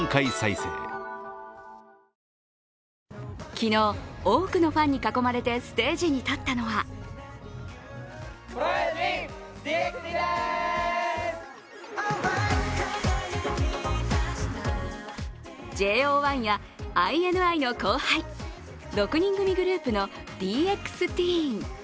昨日、多くのファンに囲まれてステージに立ったのはＪＯ１やＩＮＩの後輩、６人組グループのＤＸＴＥＥＮ。